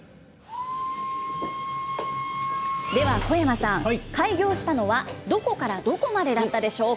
では小山さん、開業したのはどこからどこまでだったでしょうか。